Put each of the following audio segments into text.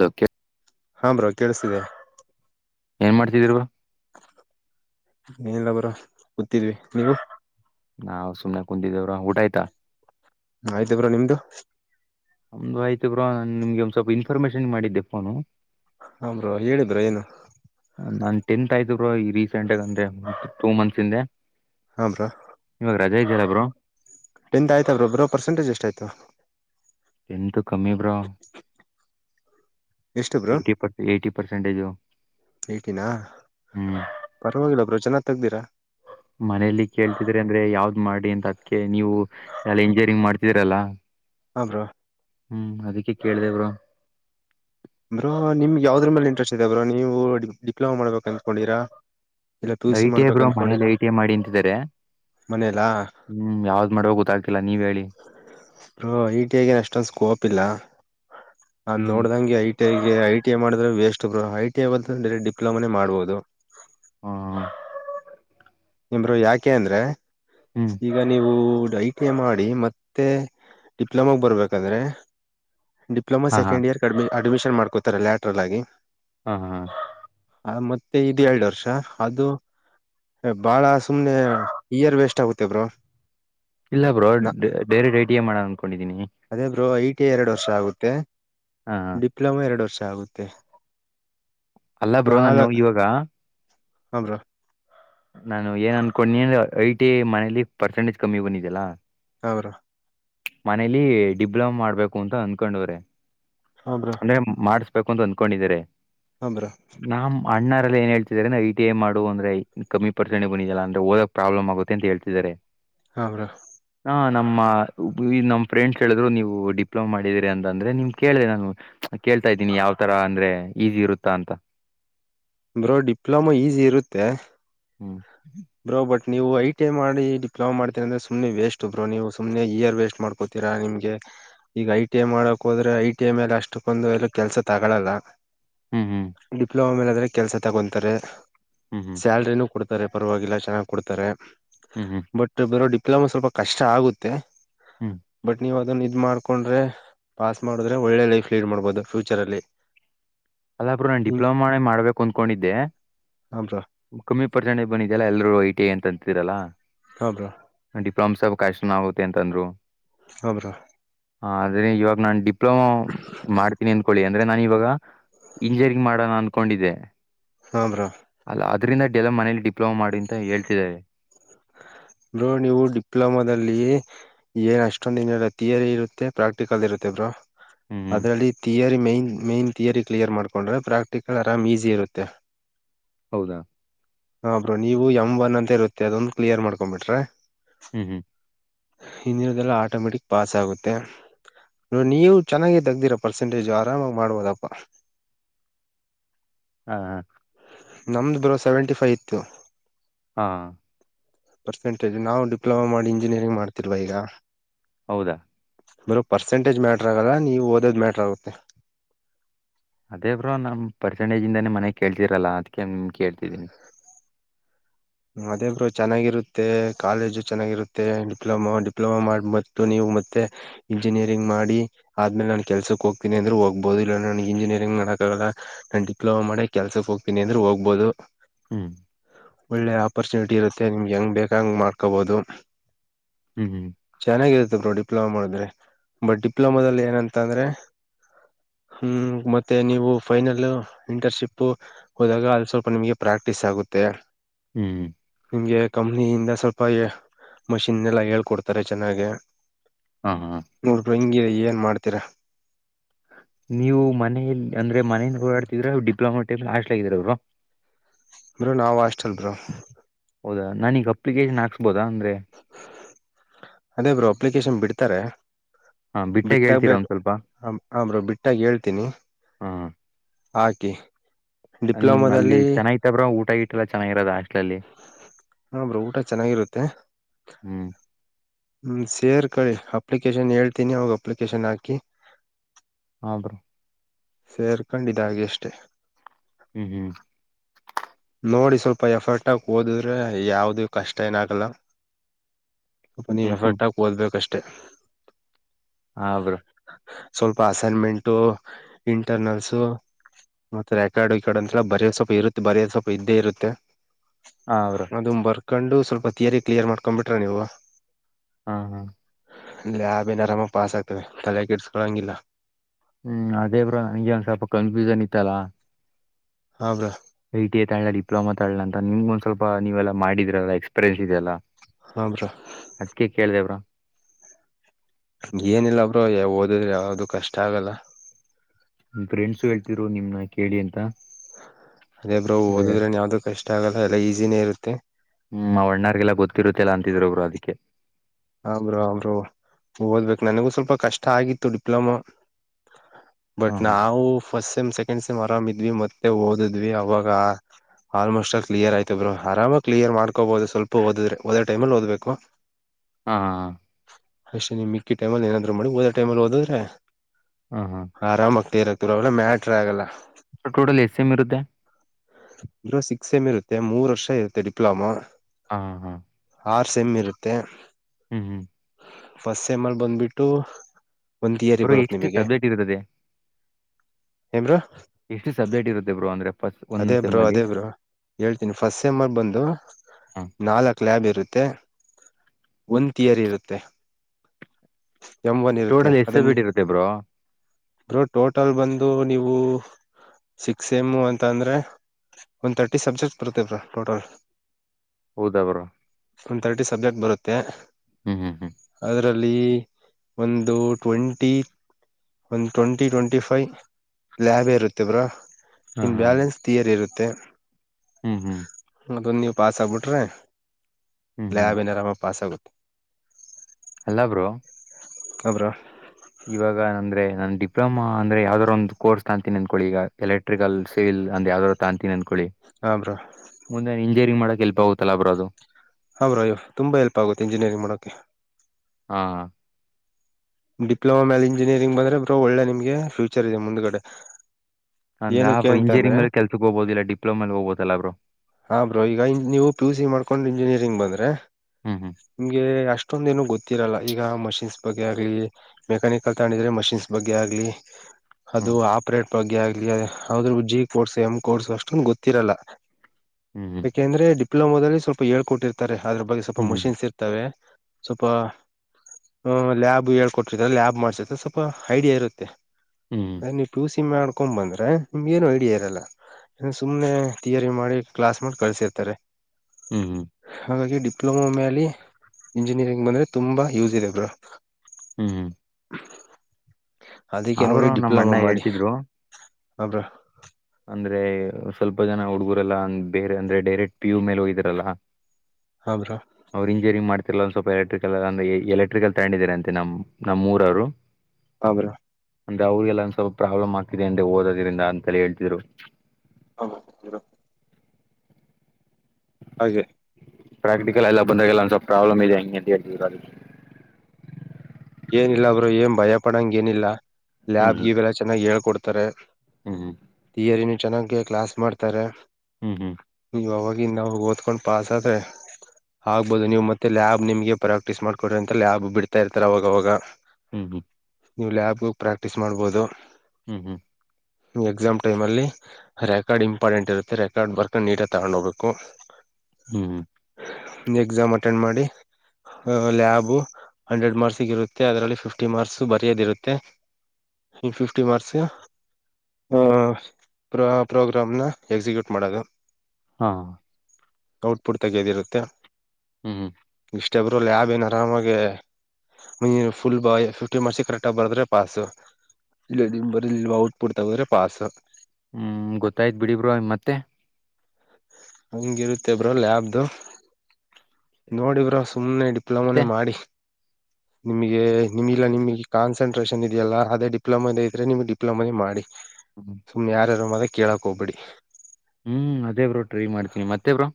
ಲೋಕೆ ಹಾ ಬ್ರೋ ಕೇಳಸಿದೆ ಏನ್ ಮಾಡಾತಿದೀರ್ ನೀಏನೆಲ್ಲ ಗುರು ಕೂತಿದ್ವಿ ನೀವು ನಾ ಸುಮನೆ ಕುಂದಿದ್ದೇವ್ರ ಊಟ ಆಯ್ತಾ ಆಯ್ತ ಗುರು ನಿಮ್ದು ನಮ್ದು ಆಯ್ತು ಬ್ರೋ ನಾನ್ ನಿಮ್ಗೆ ಒಂದ್ ಸ್ವಲ್ಪ ಇನ್ಫಾರ್ಮೇಶನ್ ಮಾಡಿದ್ದೆ ಫೋನು ಹಾ ಬ್ರೋ ಹೇಳಿ ಬ್ರೋ ಏನು ನಾನ್ ಟೆಂತ್ ಆಯ್ತು ಈ ರೀಸೆಂಟ್ ಅಂದ್ರೆ ಟೂ ಮಂತ್ಸ್ ಹಿಂದೆ ಹಾ ಬ್ರೋ ಇವಾಗ ರಜೆ ಇದೆಯಲ್ಲ ಬ್ರೋ ಟೆಂತ್ ಆಯ್ತ ಬ್ರೋ ಬ್ರೋ ಪರ್ಸೆಂಟೇಜ್ ಎಷ್ಟ ಆಯ್ತು ಎಂಟು ಕಮ್ಮಿ ಬ್ರೋ ಎಷ್ಟ bro eighty per eighty percentage ಏಟಿನ ಹ್ಮ್ ಪರವಾಗಿಲ್ಲ ಬ್ರೋ ಚೆನ್ನಾಗ ತಗ್ದಿರಾ ಮನೇಲಿ ಕೇಳ್ತಿದ್ರಿ ಅಂದ್ರೆ ಯಾವ್ದ್ ಮಾಡಿ ಅಂತ ಅದ್ಕ ನೀವು ಎಲ್ಲ ಇಂಜಿನಿಯರಿಂಗ್ ಮಾಡ್ತಿದ್ರಲ್ಲ ಹ ಬ್ರೋ ಹೂ ಅದಕ್ಕೆ ಕೇಳ್ದೆ ಬ್ರೋ ಬ್ರೋ ನಿಮ್ಗೆ ಯಾವ್ದ್ರ ಮೇಲೆ ಇಂಟ್ರೆಸ್ಟ್ ಇದೆ ಬ್ರೋ ನೀವುಡಿ ಡಿಪ್ಲೊಮಾ ಮಾಡ್ಬೇಕು ಅಂದತ್ಕೊಂಡಿರಾ ಇಲ್ಲ ಪಿು ಐ ಸಿ ಟಿ ಐ ಮಾಡ್ಬೇಕ ಬ್ರೋ ಮನೇಲಿ ಅಂದಕೊಂಡಿರ ಐ ಟಿ ಐ ಮಾಡಿ ಅಂತಿದ್ದಾರೆ ಮನಲ್ಲಾ ಹ್ಮ್ ಯಾವ್ದ್ ಮಾಡುವ ಗೊತ್ತಾಗ್ತಿಲ್ಲ ನೀವ್ ಹೇಳಿ ಐ ಟಿ ಆಗ ಅಷ್ಟೊಂದ ಸ್ಕೋಪ್ ಇಲ್ಲ ನ ಹ್ಮ್ ನೋಡ್ದಂಗೆ ಗೆ ಐಟ ಎ ಮಾಡಿದ್ರೆ ವೇಸ್ಟ್ ಬ ಐಟ ಡಿಪ್ಲೋಮಾನೇ ಮಾಡ್ಬಹುದು ಹೂ ನಿ ಬ್ರೋ ಯಾಕೆ ಅಂದ್ರೆ ಹ್ಮ್ ಈಗ ನೀವು ಡೈ ಮಾಡಿ ಮತ್ತೆ ಡಿಪ್ಲೊಮಾಗ ಬರ್ಬೇಕಾದ್ರೆ ಡಿಪ್ಲೊಮಾ ಹಾ ಹಾ ಸೆಂಡ್ ಇಯರ್ ಕ ಅಡ್ಮಿಷನ್್ಕೋತಾರಲ್ಲಾ ಸಿಂಪಲ್ ಆಗಿ ಹ ಹಾ ಹಾ ಆ ಮತ್ತೆ ಇದು ಎರಡು ವರ್ಷ ಅದು ಬಾಳ ಸುಮನೆ ಇಯರ್ ವೇಸ್ಟ್ ಆಗುತ್ತೆ ಬ್ರೋ ಇಲ್ಲ ಬ್ರೋ ನ ಬಡೇರೆ ಐ ಟಿ ಎ ಮಾಡ ಅನ್ಕೊಂಡಿದ್ದೀನಿ ಅದೇ ಬ್ರೋ ಐ ಟಿ ಎರಡು ವರ್ಷ ಆಗುತ್ತೆ ಹಾ ಾಗುತ್ತೆ ಅಲ್ಲ ಬ್ರೋ ನಾನು ಇವಾಗ ಹಾ ಬ್ರೋ ನಾನು ಏನ್ ಅನ್ಕೊಂಡನ ಅಂದ್ರ ಐ ಟಿ ಮನಲಿ ಪರ್ಸೆಂಟೇಜ್ ಕಮ್ಮಿ ಬಂದಿದ್ದಲ್ಲಾ ಅವೌರ ಮನೇಲಿ ಡಿಪ್ಲೊಮ ಮಾಡ್ಬೇಕು ಅಂತ ಅಂದಕೊಂಡವ್ರೆ ಹ ಅ ಮಾಡ್ಸ್ ಹೇಕು ಅಂತ ಅಂದ್ಕೊಂಡಿದಿದ್ದಾರೆ ಹಾ ಬ್ರೋ ಅಣ್ಣಾರಲ್ಲಿ ಏನ್ ಹೇಳ್ಿದಿದ್ದಾರೆಂದ್ರ ಐ ಟ ಐ ಮಾಡು ಅಂದ್ರೆ ಕಮ್ಮಿ ಪರ್ಸೆಟ್ ಬಂದಿದ ಅಲ್ಲ ಅಂದ್ರೆಓದಕ್ ಪ್ರಾಬ್ಲಮ್ ಆಗುತ್ತೆ ಅಂತ ಹೇಳ್ತಿದ್ದಾರೆ ಹಾ ಬ್ರೋ ಹ ನಮ್ಮ ಈ ನಮ್ಮ ಫ್ರೆಂಡ್ಸ್ ಹೇಳಿದ್ರು ನೀವು ಡಿಪ್ಲೊಮ ಮಾಡಿದೀರಿ ಅಂತ ಅಂದ್ರೆ ನಿಮ್ಗೆ ಕೇಳಿದೆ ನಾನು ಕೇಳ್ತಾ ಇದ್ದೀನಿ ಯಾವ ತರ ಅಂದ್ರೆ ಈಸಿ ಇರುತ್ತಾ ಅಂತ ಬ್ರೋ ಡಿಪ್ಲೊಮಾ ಈಸಿ ಇರುತ್ತೆ ಹೂ ಬ್ರೋ ಬಟ್ ನೀವು ಐ ಟಿ ಐ ಮಾಡಿ ಡಿಪ್ಲೊಮಾ ಮಾಡ್ತೀರ ಅಂದ್ರೆ ಸುಮ್ನೆ ವೇಸ್ಟ್ ಬ್ರೋ ನೀವು ಸುಮ್ನೆ ಇಯರ್ ವೇಸ್ಟ್ ಮಾಡ್ಕೋತೀರಾ ನಿಮ್ಗೆ ಈಗ ಐ ಟಿಐ ಮಾಡಕ್ ಹೋದ್ರೆ ಐ ಟ ಐ ಮೇಲೆ ಅಷ್ಟಕ್ಕೊಂದು ಎಲ್ಲ ಕೆಲ್ಸ ತಗೊಳಲ್ಲ ಹ್ಮ್ ಹ್ಮ್ ಡಿಪ್ಲೋಮಾ ಮೇಲೆ ಕೆಲ್ಸ ತಗೊಂತಾರೆ ಹ್ಮ್ ಹ್ಮ್ ಸ್ಯಾಲರಿನು ಕೊಡ್ತ್ ಪರವಾಗಿಲ್ಲ ಚೆನ್ನಾಗಿ ಕೊಡ್ತಾರೆ ಹ್ಮ್ ಹ್ಮ್ ಬಟ್ ಬರೋಡಿ ಕೆಲವಮ್ಮ್ ಸ್ವಲ್ಪ ಕಷ್ಟ ಆಗುತ್ತೆ ಹ್ಮ್ ಬಟ್ ನೀವ ಅನ್ನ ಇದ್ ಮಾಡ್ಕೊಂಡ್ರೆ ಪಾಸ್ ಮಾಡಿದ್ರೆ ಒಳ್ಳೆ ಲೈಫ್ ಲೀಡ್ ಮಾಡ್ಬಹದು ಫ್ಯೂಚರ್ ಅಲ್ಲಿ ಅಲ್ಲಬ್ರು ನಾನು ಡಿಪ್ಲೊಮ ಮಾಡ್ಬೇಕು ಅಂದಕೊಂಡಿದ್ದೆ ಹ ಬ್ರೋ ಕಮ್ಮಿ ಪರ್ಸೆಂಟ್ ಬಂದಿದೆಯಲ್ಲ ಎಲ್ಲರರು ಐಟಿ ಎ ಅಂತಿದರಲ್ಲ ಹ ಬ್ರೋ ಅಂಡ್ ಡಿಪ್ಲಾಸಬ್ ಕಷ್ಟನಗುತ್ತೆ ಅಂತಂದ್ರು ಹಬ್ರ ಹ ಅದೇ ಯ ನಾನ್ ಡಿಪ್ಲೊಮಾ ಮಾಡ್ತೀನಿ ಅಂದನ್ಕೊಳ್ಳಿ ಅಂದ್ರೆ ನಾನನ್ ಇವಾಗ ಇಂಜಿನಿಯರಿಂಗ್ ಮಾಡೋಣ ಅನ್ಕೊಂಡಿದ್ದೆ ಹಬ್ರ ಅದರಿಂದ ಡೆಲ ಮನೇಲಿ ಡಿಪ್ಲೊಮಾ ಮಾಡಿ ಅಂತ ಹೇಳ್ತಿದ್ದಾರೆ ಬ್ರೋ ನೀವು ಡಿಪ್ಲೊಮಾದಲ್ಲಿ ಏನ್ ಅಷ್ಟೊಂದ ದಿನಲ್ಲ ಥಿಯರಿ ಇರುತ್ತೆ ಪ್ರಾಕ್ಟಿಕಲ್ ಇರುತ್ತೆ ಬ್ರೋ ಹ್ಮ್ ಹ್ಮ್ ಅದರಲ್ಲಿ ತೇರಿ ಮೇನ್ ಥಿಯರಿ ಕ್ಲಿಯರ್ ಮಾಡ್ಕೊಂಡ್ರೆ ಪ್ರಾಕ್ಟಿಕಲ್ ಆರಾಮ್ ಈಜಿ ಇರುತ್ತೆ ಹೌದಾ ಹ ಬ್ರೋ ನೀವು ಎಮ್ ಒನ್ ಅಂತ ಇರುತ್ತೆ ಅದನ್ ಕ್ಲಿಯರ್ ಮಾಡ್ಕೊಂಬಿಟ್ರ ಹ್ಮ್ ಹ್ಮ್ ಹಿಂದಿನ ದಿನ ಆಟೋಮೆಟಿಕ್ ಪಾಸ್ ಆಗುತ್ತೆ ನೀವು ಚೆನ್ನಾಗಿ ತಗ್ದಿರ ಪರ್ಸೆಂಟೇಜ್ ಆರಾಮಾಗಿ ಮಾಡ್ಬೋದಪ್ಪ ಹಾ ಹಾ ನಮ್ಮ್ದು ಬರೋ ಸೆವೆಂಟಿ ಫೈ ಇತ್ತು ಹಾ ಪರ್ಸೆಂಟೇಜ್ ನಾವು ಡಿಪ್ಲೊಮಾ ಮಾಡಿ ಇಂಜಿನಿಯರಿಂಗ್ ಮಾಡ್ತಿರ್ವಾ ಈಗ ಹೌದಾ ಬರೋ ಪರ್ಸೆಂಟೇಜ್ ಮ್ಯಾಟ್ರ ಆಗಲ್ಲ ನೀವು ಓದದ್ ಮ್ಯಾಟ್ರ ಆಗುತ್ತೆ ಅದೇ ಬ್ರೋ ನಮ ಪರ್ಸೆಂಟೇಜ್ ಇಂದಾನೇ ಮನೆಗ್ ಕೇಳ್ತಿರಲ್ಲ ಅದ್ಕ್ಕೆ ನಿಮ್ ಕೇಳ್ತಿದ್ದೀನಿ ಮದೇಬ್ರು ಚೆನ್ನಾಗಿರುತ್ತೆ ಕಾಲೇಜು ಚೆನ್ನಾಗಿರುತ್ತೆ ಡಿಪ್ಲೊಮ ಡಿಪ್ಲೊಮಾ ಮಾಡಿಬು ನೀವು ಮತ್ತೆ ಇಂಜಿನಿಯರಿಂಗ್ ಮಾಡಿ ಆದ್ಮೇಲೆ ನಾನು ಕೆಲ್ಸಕ್ಕೆ ಹೋಗ್ತೀನಿ ಅಂದ್ರೂ ಹೋಗ್ಬೋದು ಇಲ್ಲ ನನಗೆ ಇಂಜಿನಿಯರಿಂಗ್ ಮಾಡಕ್ಕಾಗಲ್ಲ ನಾನು ಡಿಪ್ಲೊಮಾ ಮಾಡಿ ಕೆಲ್ಸಕ್ಕೆ ಹೋಗ್ತೀನಿ ಅಂದ್ರರು ಹೋಗ್ಬೋದು ಹ್ಮ್ ಒಳ್ಳೆ ಆಪರ್ಚುನಿಟಿ ಇರುತ್ತೆ ನಿಮ್ಗೆ ಹೆಂಗ್ ಬೇಕಂಗ್ ಮಾಡ್ಕೋಬಹುದು ಹ್ಮ್ ಹ್ಮ್ ಚೆನ್ನಾಗಿರುತ್ತೆ ಬ ಡಿಪ್ಲೊಮಾ ಮಾಡಿದ್ರೆ ಬಟ್ ಡಿಪ್ಲೊಮಾದಲ್ಲಿ ಏನಂತ ಅಂದ್ರೆ ಹ್ಮ್ ಮತ್ತೆ ನೀವು ಫೈನಲ್ ಇಂಟರ್ನ್ಶಿಪ್ ಹೋದಾಗ ಅಲ್ಲಿ ಸ್ವಲ್ಪ ನಿಮ್ಗೆ ಪ್ರಾಕ್ಟೀಸ್ ಆಗುತ್ತೆ ಹ್ಮ್ ಹ್ಮ್ ನಿಮ್ಗೆ ಕಂಪನಿ ಯಿಂದ ಸ್ವಲ್ಪ ಮಷಿನ್ ಎಲ್ಲ ಹೇಳ್ಕೊಡ್ತಾರೆ ಚೆನ್ನಾಗೆ ಹಾ ಹಾ ರಂಗಿರ ಏನ್ ಮಾಡ್ತೀರಾ ನೀವು ಮನಲಿ ಅಂದ್ರೆ ಮನಲಿ ಓಡಾಡ್ತಿದ್ರೆ ಡಿಪ್ಲೊಮಾ ಟೈಮ ಹಾಸ್ಲಗಿದ್ರ ಬ್ರೋ ಬ್ರು ನಾವು ಅಷ್ಟ ಬ್ರೋ ಹೌದಾ ನಾನೀಗ ಅಪ್ಲಿಕೇಶನ್ ಹಾಕ್ಸ್ಬಹದು ಅದಂದ್ರೆ ಅದೇ ಬ್ರೊ ಅಪ್ಲಿಕೇಶನ್ ಬಿಡ್ತಾರೆ ಹ ಬಿಟ್ಟಾಗ ಹೇಳ್ತೀರಾ ಬಿಟ್ಟಾಗಬೇಕ್ ಒಂದ್ ಸ್ವಲ್ಪ ಹ ಬ್ರೊ ಬಿಟ್ಟಾಗಿ ಹೇಳ್ತೀನಿ ಹ ಹಾಕಿ ನಿಮ್ ಅಲ್ಲಿ ಡಿಪ್ಲೊಮಾದಲ್ಲಿ ಚೆನಾಗಐತ ಬ್ರೊ ಊಟ ಇಟ್ಟ ಎಲ್ಲ ಚೆನ್ನಾಗಿರೋದು ಹಾಸ್ಟ್ಲಲ್ಲಿ ಹ ಬ್ರ ಊಟ ಚೆನ್ನಾಗಿರುತ್ತೆ ಹ್ಮ್ ಹ್ಮ ಸೇರ್ ಕಳಿ ಅಪ್ಲಿಕೇಶನ್ ಹೇಳ್ತೀನಿ ಅವಾಗ ಅಪ್ಲಿಕೇಶನ್ ಹಾಕಿ ಹೌಬ್ರೊ ಸೇರ್ಕಂಡಿದಾಗ ಅಷ್ಟೆ ಹ್ಮ್ ಹ್ಮ್ ನೋಡಿ ಸ್ವಲ್ಪ ಎಫರ್ಟ್ ಆಗ ಓದಿದ್ರೆ ಯಾವ್ದ ಕಷ್ಟ ಏನ ಆಗಲ್ಲ ಮನಿ ಹ್ಮ್ ಹ್ಮ್ ಏಪರ್ಟ್ ಹಾಕಿ ಓದು ಬೇಕಷ್ಟೆ ಹ್ಮ್ ಹಬ್ರು ಸ್ವಲ್ಪ ಅಸೈನ್ಮೆಂಟ್ ಇಂಟರ್ನಲ್ಸ್ ಮತ್ತೆ ರೆಕಾರ್ಡ್ ವಿಕಾರ್ಡ್ ಅಂತೆಲ್ಲ ಬರೆಯ ಸ್ವಲ್ಪ ಇರುತ್ತೆ ಬರೆಯೋ ಸ್ವಲ್ಪ ಇದ್ದೇ ಇರುತ್ತೆ ಹಾ ಬ್ರೋ ಮದಮಂಬರ್ಗ್ ಕಂಡು ಸ್ವಲ್ಪ ಯರಿ ಕ್ಲಿಯರ್ ಮಾಡ್ಕೊಂಡ್ಬಿಟ್ರ ನೀವು ಹಾ ಹಾ ಅಲ್ಲಿ ಯಾಬೇನ್ ಆರಾಮ ಪಾಸ್ ಆಗ್ತವೆ ತಲೆಕ ಇಡ್ಸ್ಕೊಳಂಗಿಲ್ಲ ಹ್ಮ್ ಅದೇ ಬ್ರೋ ನಂಗೆ ಒಂಗ್ ಸ್ವಲ್ಪ ಕನ್ಫ್ಯೂಸನ್ ಇತ್ತಲ್ಲಾ ಹಾಬ್ರಾ ಐಟ ಎ ತಳ್ಳ ಡಿಪ್ಲೊಮಾ ತಳ್ಳ ಅಂತ ನಿಮ್ಗ ಒಂದ ಸ್ವಲ್ಪ ನೀವೆಲ್ಲ ಮಾಡಿದ್ರಲ್ಲ ಎಕ್ಸ್ಪೀರಿಯನ್ಸ್ ಲ್ಲ ಹಾ ಬ್ರೋ ಅದಕ್ಕೆ ಕೇಳ್ದಬ್ರೊ ಏನಿಲ್ಲಬ್ರೋ ಓದಿದ್ರ ಯಾವ್ದು ಕಷ್ಟ ಆಗಲ್ಲ ನಿ ಫ್ರೆಂಡ್ಸು ಹೇಳ್ತಿರು ನಿಮ್ನ ಕೇಳಿ ಅಂತ ಅದೇ ಬ್ರೋ ಅಂದ್ರೆ ಓದದ್ರೇನ್ ಯಾವವುದು ಕಷ್ಟ ಇಷ್ಟ ಆಗಲ್ಲ ಎಲ್ಲ ಈಸಿನೇ ಇರುತ್ತೆ ಹ್ಮ್ ಒಣ್ಣಾರ್ಗೆಲ್ಲಾ ಗೊತ್ತಿರುತ್ತಲ್ಲ ಅಂತಿದ್ರು ಒಬ್ರು ಅದಕ್ಕೆ ಹ್ರ ಅರು ಓದ್ಬೇಕು ನನಗೂ ಸ್ವಲ್ಪ ಕಷ್ಟ ಆಗಿತ್ತು ಡಿಪ್ಲೊಮಾ ಹ ಬಟ್ ಹ ನಾವು ಫಸ್ಟ್ ಮ್ ಸೆಕೆಂಡ್ ಸಿಮ್ ಆರಾಮ ಇದ್ವಿ ಮತ್ತೆ ಓದಿದ್ವಿ ಅವಾಗ ಆಲ್ಮೋಸ್ಟ್ ಕ್ಲಿಯರ್ ಆಯ್ತಬ್ರು ಆರಾಮ ಕ್ಲಿಯರ್ ಮಾಡ್ಕೋಬಹುದು ಸ್ವಲ್ಪ ಓದಿದ್ರೆ ಓದೋ ಟೈಮಲ್ಲಿ ಓದ್ಬೇಕು ಹಾ ಹಾ ಹ ಅಷ್ಟೇ ನಿಮ ಮಿ ಟೈಮ ಅ ಏನಾದ್ ಮಾಡ ಓದಟೈಮಲ್ಲಿ ಓದ್ರೆ ಹ ಹ ಹ ಆರಾಮ ಆಗ್ತ ಇರ ಅವೆಲ್ಲ ಮ್ಯಾಟರ್ ಆಗಲ್ಲ ಟೋಟಲ್ ಎಷ್ಟು ಸೆಮ್ಮು ಇರುತ್ತೆ ಇರೋ ಸಿಕ್ಸ್ ಎಮ್ ಇರುತ್ತೆ ಮೂರ್ ವರ್ಷ ಇರುತ್ತೆ ಡಿಪ್ಲೊಮಾ ಹಾ ಹಾ ಆರ್ ಸೆಮ್ಮು ಇರುತ್ತೆ ಹ್ಮ್ ಹ್ಮ್ ಫಸ್ಟ್ ಸೈಮ್ಲ್ ಬಂದ್ಬಿಟ್ಟು ಒಂದ್ ಥಿಯರಿ ಬ್ರೋ ಬರುತ್ ಎಷ್ಟು ನಿಮಗೆ ಸಬ್ಜೆಕ್ಟ್ ಇರುತ್ತದೆ ಏನ್ ಬ್ರೋ ಎಷ್ಟು ಸಬ್ಜೆಕ್ಟ್ ಇರುತ್ತೆ ಬ್ರೋ ಅಂದ್ರೆ ಫಸ್ಟ್ ಅದೇ ಒಂದೊಂದ್ ಸೆಮ್ ಬ್ರೋ ಅಲ್ಲಿ ಅದೇ ಬ್ರೋ ಹೇಳ್ತೀನಿ ಫಸ್ಟ್ ಸೆಮರ್ ಬಂದು ನಾಲ್ಕ್ ಲ್ಯಾಬ್ ಇರುತ್ತೆ ಒಂದ ಥಿಯರಿ ಇರುತ್ತೆ ಎಮ್ ಒನ್ ಇರುತ್ತೆ ಟೋಟಲ್ ಎಷ್ಟು ಅದನ್ನು ಸಬ್ಜೆಕ್ಟ್ ಇರುತ್ತೆ ಬ್ರೋ ಬ್ರೋ ಟೋಟಲ್ ಬಂದು ನೀವು ಸಿಕ್ಸ್ ಸೇಮ್ ಅಂತ ಅಂದ್ರೆ ಒಂದು ತರ್ಟಿ ಸಬ್ಜೆಕ್ಟ್ ಬರ್ತೇವ್ರ ಟೋಟಲ್ ಹೌದ ಬ್ರೋ ಒಂದು ತರ್ಟಿ ಸಬ್ಜೆಕ್ಟ್ ಬರುತ್ತೆ ಹ್ಮ್ ಹ್ಮ್ ಹ್ಮ್ ಆದದ್ರ ಇಟಲಿ ಒಂದು ಟ್ವೆಂಟಿ ಒಂದು ಟ್ವೆಂಟಿ ಟ್ವೆಂಟಿ ಫೈವ್ ಲ್ಯಾಬ್ ಇರುತ್ತೆ ಬ್ರೋ ಹಾ ಇನ್ ಹಾ ಬ್ಯಾಲೆನ್ಸ್ ತಿಯರ್ ಇರುತ್ತೆ ಮತ್ತೆ ಹ್ಮ್ ಹ್ಮ್ ಅದೊ ನೀವು ಪಸ್ ಆಗ್ಬಿಟ್ರೆ ಹ್ಮ್ ಹ್ಮ್ ಲ್ಯಾಬ್ ಏನ್ ಆರಾಮಾಗಿ ಪಾಸ ಆಗುತ್ತೆ ಅಲ್ಲ ಬ್ರೋ ಅಬ್ಬರ ಇವಾಗ ಅಂದ್ರೆ ನಾನ ಡಿಪ್ಲೊಮ ಅಂದ್ರೆ ಯಾವ್ದಾದ್ ಒಂದು ಕೋರ್ಸ್ ತಂತೀ ಅನ್ಕೊಳ್ಳಿ ಈಗ ಎಲೆಕ್ಟ್ರಿಕಲ್ ಸಿವಿಲ್ ಅಂದ್ರ ಯಾವ್ದಾದ್ ತಗಂತೀ ಅನ್ಕಿ ಹಾ ಬ್ರೋ ಮುಂದ ಇಂಜಿನಿಯರಿಂಗ್ ಮಾಡ ಹೆಲ್ಪ್ ಆಗುತ್ತೆ ಅಲ್ಲ ಬ್ರೋ ಅದು ಹಾ ಬ್ರೋ ತುಂಬಾ ಎಲ್ಪ್ ಆಗುತ್ತೆ ಇಂಜಿನಿಯರಿಂಗ್ ಮಾಡೋಕೆ ಹಾ ಹ ಡಿಪ್ಲೊಮ ಮೇಲೆ ಇಂಜಿನಿಯರಿಂಗ್ ಬಂದ್ರೆ ಬ್ರೋ ಒಳ್ಳೆ ನಿಮ್ಗೆ ಫ್ಯೂಚರ್ ಇದೆ ಮುಂದ್ಗಡೆ ಅಂದ ಆ ಏನಕ್ಕೆ ಬ್ರೋ ಅಂತ ಅಂದ್ರೆ ಇಂಜಿನಿಯರಿಂಗ್ ಮೇಲೆ ಕೆಲ್ಸಕ್ಕೆ ಹೋಗ್ಬೋದಿಲ್ಲ ಡಿಪ್ಲೊಮಲ್ಲಿ ಹೋಗ್ಬೋದಲ್ಲ ಬ್ರೋ ಹ ಬ್ರೋ ಈಗ ನೀವು ಪಿ ಯು ಸಿ ಮಾಡ್ಕೊಂಡ್ ಇಂಜಿನಿಯರಿಂಗ್ ಬಂದ ಹಾ ಹ್ಮ್ ನಿಮ್ಗೆ ಅಷ್ಟೊಂದೇನ ಗೊತ್ತಿರಲ್ಲ ಈಗ ಮಷಿನ್ಸ್ ಬಗ್ಗೆ ಆಗ ಆಲಿ ಮೆಕ್ಯಾನಿಕಲ್ ತಾಣಿದ್ರೆ ಮಷಿನ್ಸ್ ಬಗ್ಗೆ ಆಗ್ಲಿ ಅದು ಹ್ಮ್ ಆಪ್ರೇಟ್ ಬಗ್ಗೆ ಆ ಇ ಹದ್ರು ಜಿ ಕೋರ್ಸ್ ಎಮ್ ಕೋರ್ಸ್ ಅಷ್ಟೊ ಗೊತ್ತಿರಲ್ಲ ಹ್ಮ್ ಹ್ಮ್ ಯಾಕೆಂದ್ರೆ ಡಿಪ್ಲೋದಲ್ಲಿ ಸ್ವಲ್ಪ ಹಳ್ಕೊಟ್ಟಿತಾರೆ ಅದ್ರ ಬಗ್ಗೆ ಸ್ವಲ್ಪ ಹ್ಮ್ ಹ್ಮ್ ಮಷಿನ್ಸ್ ಇರ್ತವೆ ಸ್ವಲ್ಪ ಹಯ ಹೇಳ್ಕೊಟ್ಟ ತ್ತಾರೆ ಲ್ಯಾಬ್ ಮಾಡ್ರ್ತ ಸ್ವಲ್ಪ ಐಡಿಯಾ ಇರುತ್ತೆ ಹ್ಮ್ ಹ ನೀ ಟುಸ ಮ್ ಮಾಡ್ಕೊಂಡ್ ಬಂದ್ರೆ ನಿಮ್ಗೆ ಏನು ಐಡಿಯಾ ಇರಲ್ಲ ಸುಮ್ನೆ ತಿಯರಿ ಮಾಡಿ ಕ್ಲಾಸ್ ಮಾಡಿ ಕಳ್ಸಿರ್ತಾರೆ ಹ್ಮ್ ಹ್ಮ್ ಹಾಗಾಗಿ ಡಿಪ್ಲೊಮಾ ಮೇಲೆ ಇಂಜಿನಿಯರಿಂಗ್ ಬಂದ್ರೆ ತುಂಬಾ ಯೂಸ್ ಇದೆರು ಹ್ಮ್ ಹ್ಮ್ ಅದಕ್ಕೆ ಆದರು ನಮ್ಮ ಅಣ್ಣ ಹೇಳ್ತಿದ್ರು ಹಬ್ರಾ ಅಂದ್ರೆ ಸ್ವಲ್ಪ ಜನ ಹುಡುಗುರಲ್ಲಾ ಬೇರೆ ಅಂದ್ರೆ ಡೈರೆಕ್ಟ್ ಪಿ ಯು ಮೇಲೆ ಹೋಗಿದ್ರಲ್ಲ ಹಾ ಬ್ರೋ ಅವ್ರ ಇಂಜರಿ ಮಾಡ್ತ ಒಂದ್ ಸ್ವಲ್ಪ ಎಲೆಕ್ಟ್ರಿಕಲ್ ಎಲೆಕ್ಟ್ರಿಕಲ್ ತಗೊಂಡಿದಿದ್ದಾರೆ ಅಂತೆ ನಮ್ಮ ನಮ್ಮ್ರವರು ಹರ ಅಂದ್ರ ಅವ್ರರಿಗೆಲ್ಲಂದ ಸ್ವಲ್ಪ ಪ್ರಾಬ್ಲಮ ಆತಿದೆ ಅ ಓದ್ರಿಂದ ಅಂತ ಹೇತಿ ಇರು ಹೌ ಇ ಹಾಗೆ ಪ್ರಾಕ್ಟಿಕಲ್ ಎಲ್ಲ ಬಂದಾಗೆಲ್ಲ ಒ ಸ್ವಲ್ಪ ಪ್ರಾಬ್ಲಮ್ ಇದೆಂತ ಏನಿಲ್ಲ ಅವಬ್ರು ಏನ್ ಭಯ ಪಡಂಗ ಏನಿಲ್ಲ ಯಾಬ್ಗ ಇ ಬೆಲ್ಲ ಚೆನ್ನಾಗಿ ಹೇ ಕೊಡ್ತಾರೆ ಹ್ಮ್ ಹ್ಮ್ ತಿಯರಿನು ಚೆನ್ನಾಗೆ ಕ್ಲಾಸ್ ಮಾಡ್ತಾರೆ ಹ್ಮ್ ಹ್ಮ್ ಇವವಾಗಿ ನಾವು ಓದ್ಕೊಂಡ್ ಪಾಸ್ ಆದ್ರೆ ಆಗ್ಬಹುದು ನೀವು ಮತ್ತೆ ಲ್ಯಾಬ್ ನಿಮ್ಗೆ ಪ್ರಾಕ್ಟೀಸ್ ಮಾಡ್ಕೊಡಿರಿ ಅಂತ ಲ್ಯಾಬ್ ಬಿಡ್ತಾ ಇರ್ತ ಥರವಾಗವಾಗ ಹ್ಮ್ ಹ್ಮ್ ನೀವು ಲ್ಯಾಬ್ಗಿ ಪ್ರಾಕ್ಟೀಸ್ ಮಾಡ್ಬಹದು ಹ್ಮ್ ಹ್ಮ್ ಎಕ್ಸಾಮ್ ಟೈಮ್ ಅಲ್ಲಿ ರೆಕಾರ್ಡ್ ಇಂಪಾರ್ಟೆಂಟ್ ಇರುತ್ತೆ ರೆಕಾರ್ಡ್ ಬರ್ಕೊಂಡ ನೀಟ ತಗೊಂಡ್ ಹೋಗ್ಬೇಕು ಹ್ಮ್. ಎಕ್ಸಾಮ್ ಅಟೆಂಡ್ ಮಾಡಿ ಲ್ಯಾಬ ಹಂಡ್ರೆಡ್ ಮಾರ್ಕ್ಸ್. ಸಿಗರುತ್ತೆ ಅದರಲ್ಲಿ ಫಿಫ್ಟಿ ಮಾರ್ಕ್ಸ್ ಬರೋದಿ ಇರುತ್ತೆ ಫಿಫ್ಟಿ ಮಾರ್ಕ್ಸ್ ಪ್ರೋಗ್ರಾಮ್ನ ಎಕ್ಸಿಕ್ಯೂಟ್ ಮಾಡೋದು. ಹಾ. ಔಟ್ಪುಟ್ ತೆಗೆದಿರುತ್ತೆ ಹ್ಮ್ ಹ್ಮ ಇಷ್ಟೊಬ್ಬರು ಲ್ಯಾಬ ಏನ್ ಆರಾಮಾಗೆ ಮ ಫುಲ್ ಬ ಫಿಫ್ಟಿ ಮಾರ್ಕ್ಸ್ ಕರೆಕ್ಟ್ ಆಗ ಬರದ್ರೆ ಪಸ್ ಇ ಬ ಔಟ್ ಪುಡ್ ತಗದ್ರೆ ಪಸ್ ಹ್ಮ್ ಗೊತ್ತಾಯ್ತ್ ಬಿಡಿ ಬ್ರೋ ಮತ್ತೆ ಹಂಗಿರುತ್ತೆ ಬ್ರಲ್ಯಾಬ್ದು ನೋಡಿವ್ರಾ ಸುಮ್ನೆ ಇಡ ಅಪ್ಲಂಬನೆ ಮತ್ತೆ ಮಾಡಿ ನಿಮಗೆ ನಿಮಲ್ಲ ನಿಮಗೆ ಕಾನ್ಸನ್ಟ್ರೇಷನ್ ಇದೆಯಲ್ಲ ಅದೇ ಡಿಪ್ಲೊಮದ ಇದ್ರೆ ನಿಮ್ಗೆ ಡಿಪ್ಲೊಮೇ ಮಾಡಿ ಸುಮ್ನೆ ಯಾರ್ಯಾರು ಮದ ಕೇಳಕ್ ಹೋಗ್ಬಿಡಿ. ಹ್ಮ್ ಅದೇ ಬ್ರೋ ಟ್ರೈ ಮಾಡ್ತೀನಿ ಮತ್ತೆ ಬ್ರೋ.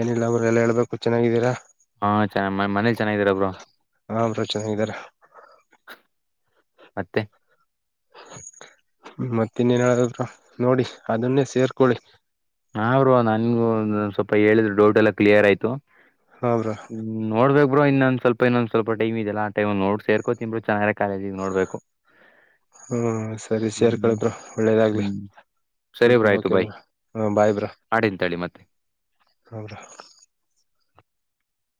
ಏನಿಲ್ಲ ಅವ್ರ ಎಲ್ಲ ಹೇಳ್ಬೇಕು ಚೆನ್ನಾಗಿದ್ದೀರಾ. ಹಾ ಚ ಮನೇಲಿ ಚೆನ್ನಾಗಿದೀರಬ್ರು. ಹ್ರಚನ್ ಹಗಾರ. ಮತ್ತೆ. ಮತ್ತ ಇನ್ನೇನ್ ಹೇಳ ನೋಡಿ ಅದನ್ನೇ ಸೇರ್ಕೊೊಳ್ಳಿ ಹರು ನನ್ಗು ಸ್ವಲ್ಪ ಹೇಳಿದ್ರೆ ಡೌಟ್ ಎಲ್ಲಾ ಕ್ಲಿಯರ್ ಆಯ್ತು. ಹಾ ಬ್ರೋ ಹ್ಮ್ ನೋಡ್ಬೇಕು. ಇನ್ನೊಂದ ಸ್ವಲ್ ಇನ್ನೊಂದ ಸ್ವಲ್ ಟಮ್ದೆಲ್ಲ ಆ ೈ್ ನೋಡ್ ಸೇರ್ೋ ಇ ಚ. ಹ್ಮ ಸರಿ ಹ್ಮ್ ಸೇರ್ಕಳಬ್ರ ಒಳ್ಳೇದಾಗ್ಲಿ ಹ್ಮ್ ಸರಿ ಬ್ರೋ ಹ್ಮ್ ಆಯ್ತು ಬಾಯ್ ಓಕೆಬ್ರ. ಹಾ ಬಾಯಬ್ರಾ. ಆಡಿನ ತಳಿ ಮತ್ತೆ. ಹೌದಾ.